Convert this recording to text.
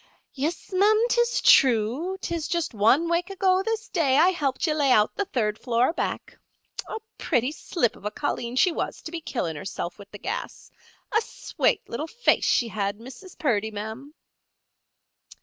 "Yis, ma'am; 'tis true. 'Tis just one wake ago this day I helped ye lay out the third floor, back. A pretty slip of a colleen she was to be killin' herself wid the gas—a swate little face she had, Mrs. Purdy, ma'am."